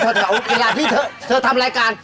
เธอแบบเธอทำรายการ